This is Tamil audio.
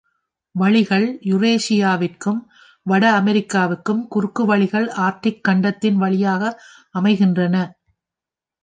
வழிகள் யுரேஷியாவிற்கும் வட அமெரிக்காவிற்கும் குறுக்கு வழிகள் ஆர்க்டிக் கண்டத்தின் வழியாக அமைகின்றன.